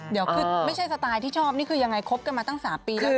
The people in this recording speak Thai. เดี๋ยวคือไม่ใช่สไตล์ที่ชอบนี่คือยังไงคบกันมาตั้ง๓ปีแล้ว